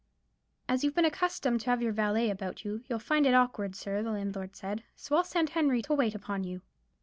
"As you've been accustomed to have your valet about you, you'll find it awkward, sir," the landlord had said; "so I'll send Henry to wait upon you."